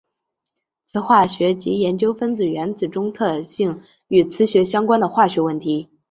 磁化学即研究分子原子中特性与磁学相关的化学问题。